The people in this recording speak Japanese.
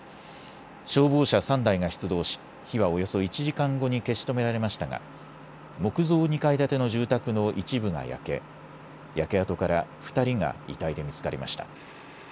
消防車３台が出動し火はおよそ１時間後に消し止められましたが木造２階建ての住宅の一部が焼け焼け跡から２人が遺体で見つかりました。